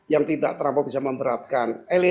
yang tidak terlampau bisa memberatkan